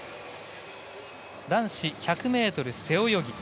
男子１００ｍ背泳ぎ。